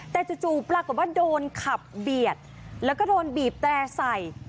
แต่จู่ปรากฏว่าโดนขับเบียดแล้วก็โดนบีบแตร่ใส่